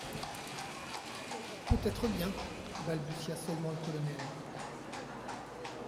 «Peut-être bien …,» balbutia seulement le colonel.